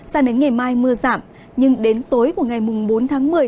sang đến ngày mai mưa giảm nhưng đến tối của ngày bốn tháng một mươi